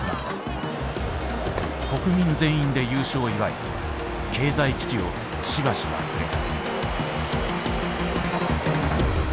国民全員で優勝を祝い経済危機をしばし忘れた。